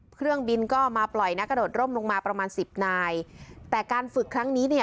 เครื่องบินก็มาปล่อยนักกระโดดร่มลงมาประมาณสิบนายแต่การฝึกครั้งนี้เนี่ย